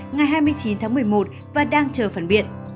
ngày hai mươi chín tháng một mươi một và đang chờ phản biện